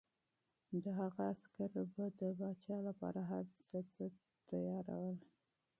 د هغه عسکر به د پاچا لپاره هر څه ته چمتو ول.